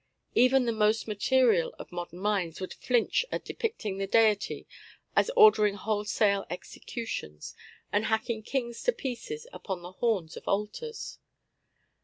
Even the most material of modern minds would flinch at depicting the Deity as ordering wholesale executions, and hacking kings to pieces upon the horns of altars.